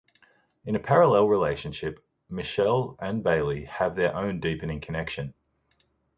In a parallel relationship, Michell and Bailey have their own deepening connection.